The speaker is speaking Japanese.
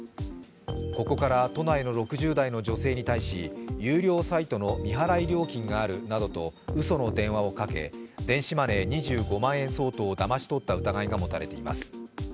ここから都内の６０代の女性に対し有料サイトの未払い料金があるなどとうその電話をかけ、電子マネー２５万円相当をだまし取った疑いが持たれています。